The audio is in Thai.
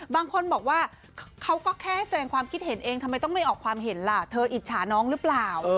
บางคนบอกว่าเขาก็แค่แสดงความคิดเห็นเองทำไมต้องไม่ออกความเห็นล่ะเธออิจฉาน้องหรือเปล่า